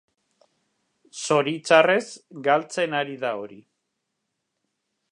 Zoritxarrez, galtzen ari da hori.